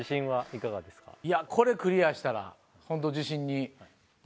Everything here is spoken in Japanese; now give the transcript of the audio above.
いやこれクリアしたらホント自信に。